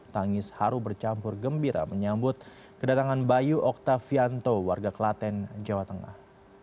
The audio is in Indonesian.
tangis haru bercampur gembira menyambut kedatangan bayu oktavianto warga kelaten jawa tengah